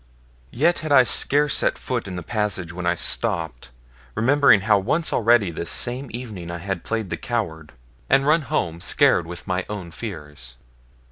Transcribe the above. Yet had I scarce set foot in the passage when I stopped, remembering how once already this same evening I had played the coward, and run home scared with my own fears.